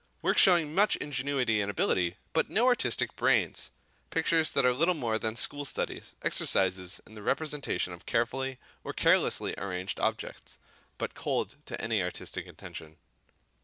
Works showing much ingenuity and ability, but no artistic brains; pictures that are little more than school studies, exercises in the representation of carefully or carelessly arranged objects, but cold to any artistic intention.